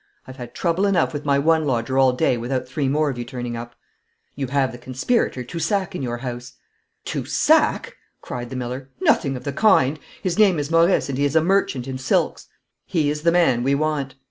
I've had trouble enough with my one lodger all day without three more of you turning up.' 'You have the conspirator Toussac in your house.' 'Toussac!' cried the miller. 'Nothing of the kind. His name is Maurice, and he is a merchant in silks.' 'He is the man we want.